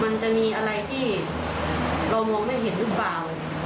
มันจะมีอะไรที่เรามองไม่เห็นหรือเปล่า